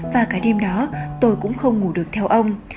và cả đêm đó tôi cũng không ngủ được theo ông